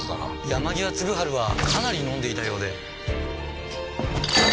山際嗣治はかなり飲んでいたようで。